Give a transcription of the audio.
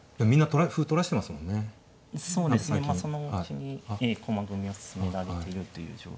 そのうちに駒組みを進められているという状況で。